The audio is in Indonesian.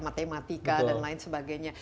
matematika dan lain sebagainya